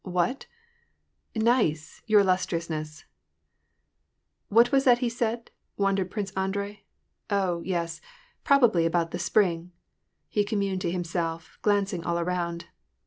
" What ?"" Nice, your illustriousness !'*" What was that he said ?" wondered Prince Andrei. *' Oh, yes ! probably about the spring," he communed to himself, glancing all around.